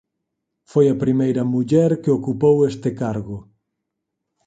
Foi a primeira muller que ocupou este cargo.